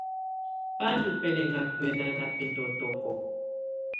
Bà ndù bɛlɛ̀ŋa tuɛna na bɛ̀ndɔ̀tɔkɔ.